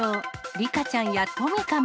リカちゃんやトミカも。